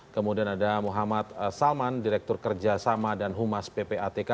kemudian ada muhammad salman direktur kerjasama dan humas ppatk